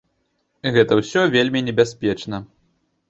Гэта ўсё вельмі небяспечна.